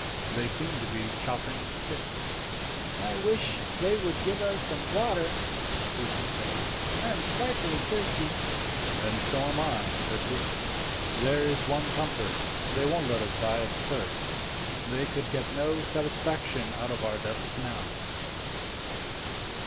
They seem to be chopping sticks." "I wish they would give us some water," Percy said. "I am frightfully thirsty." "And so am I, Percy. There is one comfort, they won't let us die of thirst; they could get no satisfaction out of our deaths now."